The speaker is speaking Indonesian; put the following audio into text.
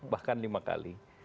bahkan lima kali